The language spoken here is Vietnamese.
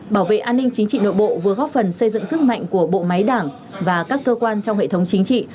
bảo vệ an ninh chính trị nội bộ vừa góp phần xây dựng sức mạnh của bộ máy đảng và các cơ quan trong hệ thống chính trị